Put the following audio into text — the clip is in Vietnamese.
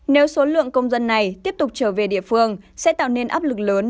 nếu số lượng công dân này tiếp tục trở về địa phương sẽ tạo nên áp lực lớn